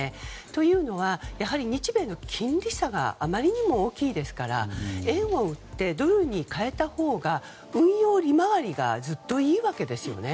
というのは、日米の金利差があまりにも大きいですから円を売ってドルに替えたほうが運用利回りがずっといいわけですよね。